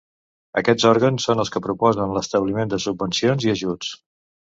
Aquests òrgans són els que proposen l'establiment de subvencions i ajuts.